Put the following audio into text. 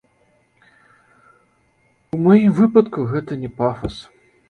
У маім выпадку гэта не пафас.